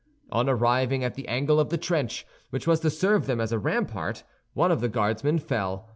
On arriving at the angle of the trench which was to serve them as a rampart, one of the Guardsmen fell.